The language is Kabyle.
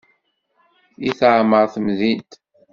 I teɛmer temdint.